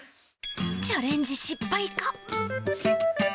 チャレンジ失敗か？